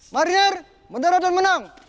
marinir menerah dan menang